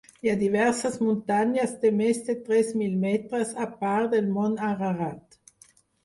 Hi ha diverses muntanyes de més de tres mil metres a part del Mont Ararat.